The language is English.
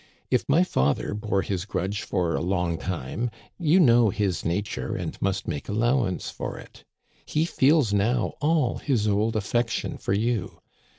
If my father bore his grudge for a long time, you know his nature and must make allow ance for it He feels now all his old affection for you.